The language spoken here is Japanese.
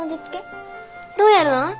どうやるの？